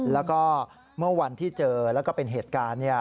แล้วก็เมื่อวันที่เจอแล้วก็เป็นเหตุการณ์